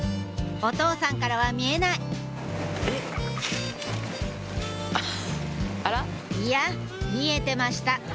お父さんからは見えないいや見えてました